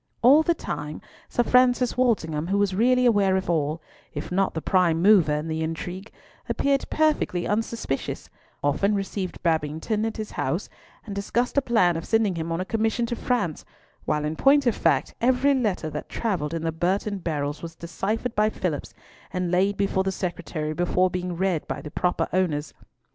All the time Sir Francis Walsingham, who was really aware of all, if not the prime mover in the intrigue, appeared perfectly unsuspicious; often received Babington at his house, and discussed a plan of sending him on a commission to France, while in point of fact every letter that travelled in the Burton barrels was deciphered by Phillipps, and laid before the Secretary before being read by the proper owners.